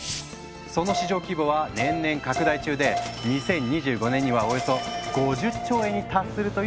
その市場規模は年々拡大中で２０２５年にはおよそ５０兆円に達するという予測もあるんです。